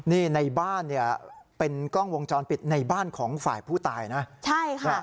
นี่ในบ้านเนี่ยเป็นกล้องวงจรปิดในบ้านของฝ่ายผู้ตายนะใช่ค่ะ